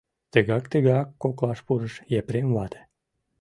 — Тыгак-тыгак, — коклаш пурыш Епрем вате.